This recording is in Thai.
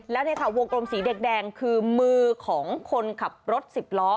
แล้วเนี่ยค่ะวงกลมสีแดงคือมือของคนขับรถสิบล้อ